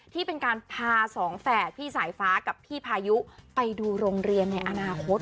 ที่เป็นการพาสองแฝดพี่สายฟ้ากับพี่พายุไปดูโรงเรียนในอนาคต